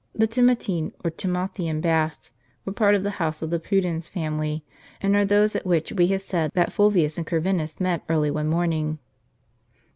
The Timotine or Timothean baths were part of the house of the Pudens family, and are those at which Ave have said that Fulvius and Corvinus met early one morning.